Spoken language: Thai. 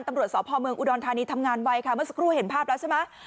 ตำรวจสพเมืองอุดรธานีทำงานไว้ค่ะเมื่อสักครู่เห็นภาพแล้วใช่ไหม